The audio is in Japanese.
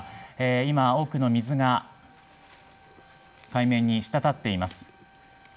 今、多くの水が海面に滴っています。